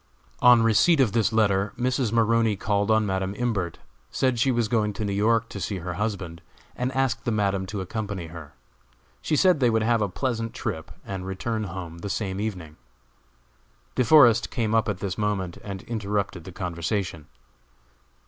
On receipt of this letter, Mrs. Maroney called on Madam Imbert, said she was going to New York to see her husband, and asked the Madam to accompany her. She said they would have a pleasant trip, and return home the same evening. De Forest came up at this moment, and interrupted the conversation.